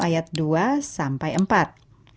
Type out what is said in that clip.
yakobus satu ayat dua empat